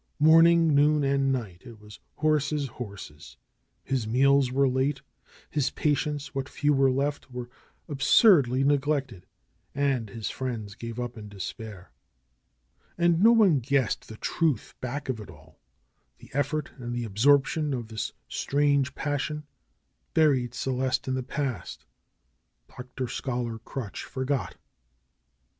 Morning, noon, and night, it was horses, horses. His meals were late ; his patients, what few were left, were absurdly neglected. And his friends gave up in de spair. And no one guessed the truth back of it all. The ef fort and the absorption of this strange passion buried Celeste in the past. Dr. Scholar Crutch forgot.